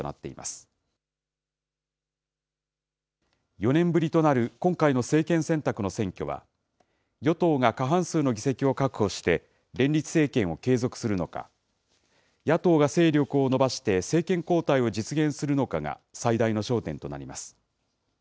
４年ぶりとなる今回の政権選択の選挙は、与党が過半数の議席を確保して連立政権を継続するのか、野党が勢力を伸ばして政権交代を実現するのかが最大の焦点となります。